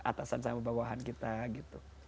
atasan sama bawahan kita gitu